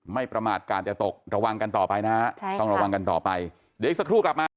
ประมาทการจะตกระวังกันต่อไปนะฮะใช่ต้องระวังกันต่อไปเดี๋ยวอีกสักครู่กลับมา